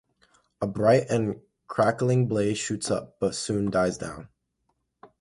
A bright and crackling blaze shoots up, but soon dies down.